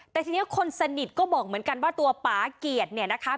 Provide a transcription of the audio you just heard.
แต่ทีนี้คนสนิทก็บอกเหมือนกันว่าตัวป่าเกียรติเนี่ยนะคะ